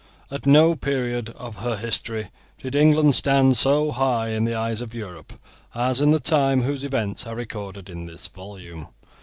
At no period of her history did England stand so high in the eyes of Europe as in the time whose events are recorded in this volume.